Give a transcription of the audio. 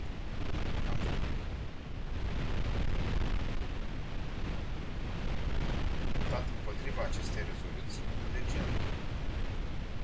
Am votat împotriva acestei rezoluții în decembrie.